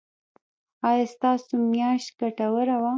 ایا ستاسو میاشت ګټوره وه؟